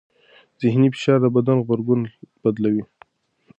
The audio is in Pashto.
ذهني فشار د بدن غبرګون بدلوي.